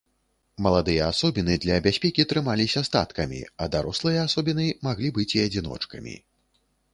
Маладыя асобіны для бяспекі трымаліся статкамі, а дарослыя асобіны маглі быць і адзіночкамі.